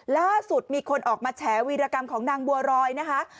ล่าสุดมีคนออกมาแฉวีรกรรมของนางบัวรอยนะคะ